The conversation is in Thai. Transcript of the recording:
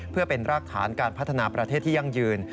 เพื่อเป็นรากฐานการพัฒนาประเทศที่ยั่งยืน